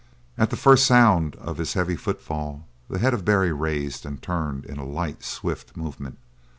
At the first sound of his heavy footfall, the head of Barry raised and turned in a light, swift movement.